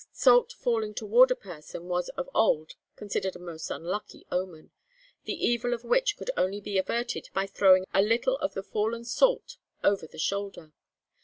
Salt falling toward a person was of old considered a most unlucky omen, the evil of which could only be averted by throwing a little of the fallen salt over the shoulder.